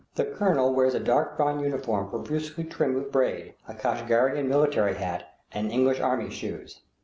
The colonel wears a dark brown uniform profusely trimmed with braid, a Kashgarian military hat, and English army shoes.